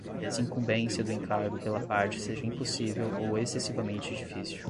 desincumbência do encargo pela parte seja impossível ou excessivamente difícil